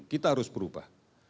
kita harus berubah